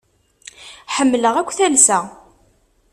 Ḥemmleɣ akk talsa.